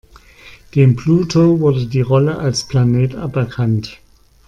Dem Pluto wurde die Rolle als Planet aberkannt.